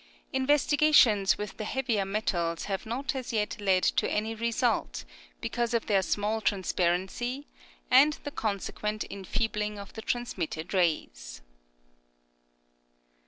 Investigations with the heavier metals have not as yet led to any result, because of their small transparency and the consequent enfeebling of the trans mitted rays.